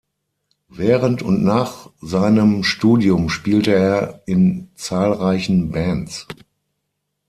Während und nach seinem Studium spielte er in zahlreichen Bands.